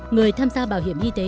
người tham gia bảo hiểm y tế